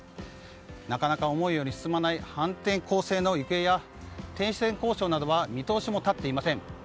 なかなか思うように進まない反転攻勢の行方や停戦交渉などは見通しも立っていません。